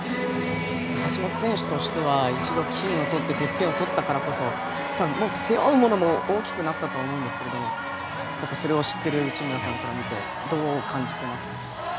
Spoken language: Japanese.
橋本選手としては一度、金をとっててっぺんをとったからこそ背負うものも大きくなったと思いますがそれを知っている内村さんから見てどう感じていますか？